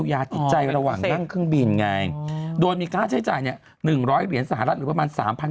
คำนี้๓ปีปุ๊บนางก็จะบินจากอเมริกากลับญี่ปุ่น